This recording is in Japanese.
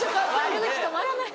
悪口止まらない。